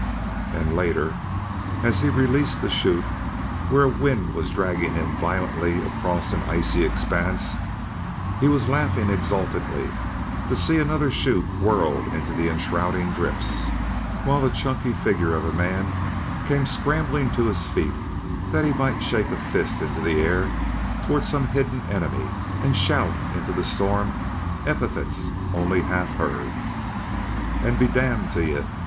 And, later, as he released the 'chute where a wind was dragging him violently across an icy expanse, he was laughing exultantly to see another 'chute whirled into the enshrouding drifts, while the chunky figure of a man came scrambling to his feet that he might shake a fist into the air toward some hidden enemy and shout into the storm epithets only half heard. " and be damned to ye!"